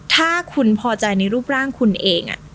ถ้าคุณพอใจในรูปร่างคุณเอง